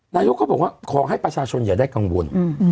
นายกเขาบอกว่าขอให้ประชาชนอย่าได้กังวล